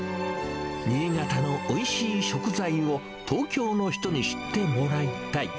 新潟のおいしい食材を、東京の人に知ってもらいたい。